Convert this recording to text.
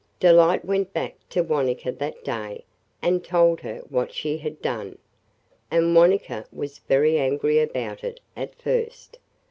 Delight went back to Wanetka that day and told her what she had done, and Wanetka was very angry about it at first.